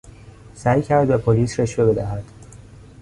سعی کرد به پلیس رشوه بدهد.